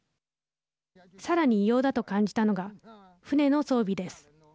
さらに異様だと感じたのが船の装備です。